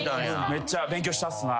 めっちゃ勉強したっすな。